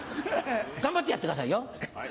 頑張ってやってくださいよ。